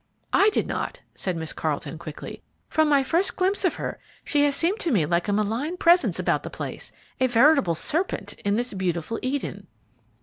"I did not," said Miss Carleton, quickly; "from my first glimpse of her she has seemed to me like a malign presence about the place, a veritable serpent in this beautiful Eden!"